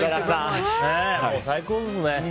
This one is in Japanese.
最高ですね。